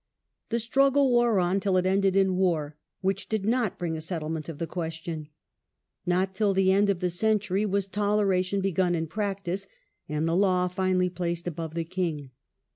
The struggle wore on till it ended in war, which did not bring a settlement of the question. Not till the end of the century was toleration begun in practice, and the law finally placed above the king.